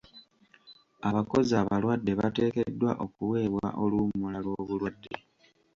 Abakozi abalwadde bateekeddwa okuweebwa oluwummula lw'obulwadde.